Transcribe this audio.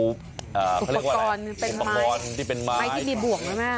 อุปกรณ์อุปกรณ์ที่เป็นไม้ไม้ที่มีบ่วงใช่ไหม